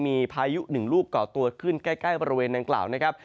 มีพายุหนึ่งลูกก่อตัวขึ้นใกล้บริเวณดังกล่าวนะครับ